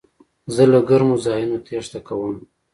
زه له ګرمو ځایونو تېښته کوم.